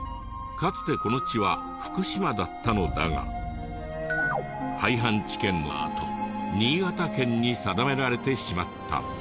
かつてこの地は福島だったのだが廃藩置県のあと新潟県に定められてしまった。